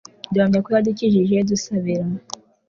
duhamya ko yadukijije dusabira